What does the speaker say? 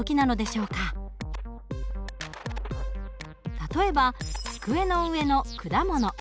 例えば机の上の果物。